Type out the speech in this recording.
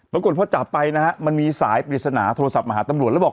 ปรากฏพอจับไปนะฮะมันมีสายปริศนาโทรศัพท์มาหาตำรวจแล้วบอก